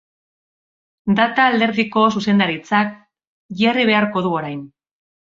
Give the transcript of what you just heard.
Data alderdiko zuzendaritzak jarri beharko du orain.